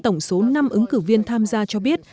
tổng số năm ứng cử viên tham gia cho biết